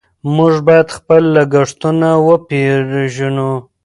موږ باید خپل لګښتونه وپېژنو.